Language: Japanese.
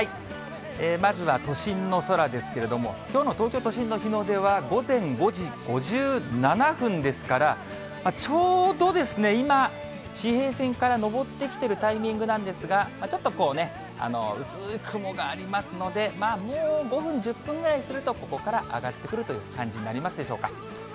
まずは都心の空ですけれども、きょうの東京都心の日の出は午前５時５７分ですから、ちょうどですね、今、地平線から上ってきているタイミングなんですが、ちょっと薄く雲がありますので、まあ、もう５分、１０分ぐらいすると、ここから上がってくるという感じになりますでしょうか。